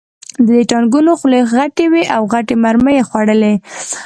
د دې ټانکونو خولې غټې وې او غټې مرمۍ یې خوړلې